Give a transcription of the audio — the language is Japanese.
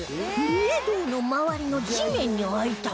御影堂の周りの地面に開いた穴